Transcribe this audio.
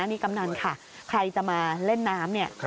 นี่กำนันค่ะใครจะมาเล่นน้ำเนี่ย